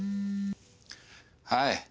はい。